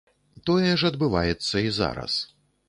Тое ж адбываецца і зараз.